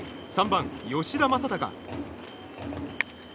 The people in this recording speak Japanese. ３番、吉田正尚。